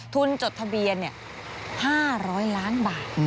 จดทะเบียน๕๐๐ล้านบาท